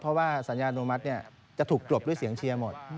เพราะว่าสัญญาโนมัติจะถูกกลบด้วยเสียงเชียร์หมด